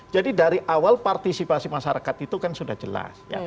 jadi dari awal partisipasi masyarakat itu kan sudah jelas